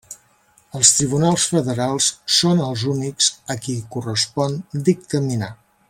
Els tribunals federals són els únics a qui correspon dictaminar.